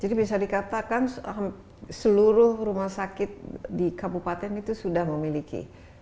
jadi bisa dikatakan seluruh rumah sakit di kabupaten itu sudah memiliki